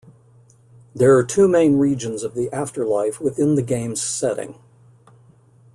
There are two main regions of the afterlife within the game's setting.